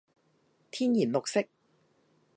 天然綠色